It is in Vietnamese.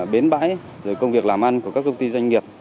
bến bãi rồi công việc làm ăn của các công ty doanh nghiệp